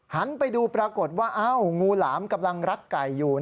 หันไปดูปรากฏว่าอ้าวงูหลามกำลังรัดไก่อยู่